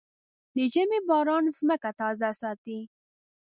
د ژمي باران ځمکه تازه ساتي.